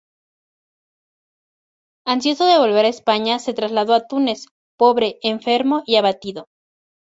Ansioso de volver a España se trasladó a Túnez, pobre, enfermo y abatido.